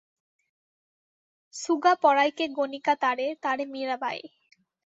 সুগা পড়ায়কে গণিকা তারে, তারে মীরাবাঈ।